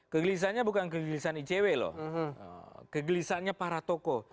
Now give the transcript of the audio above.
kegelisahannya bukan kegelisahan icw loh kegelisahannya para tokoh